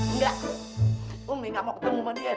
engga ummi ga mau ketemu mone